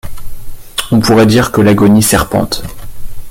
On pourrait dire que l’agonie serpente.